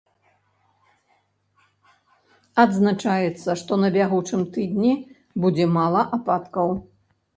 Адзначаецца, што на бягучым тыдні будзе мала ападкаў.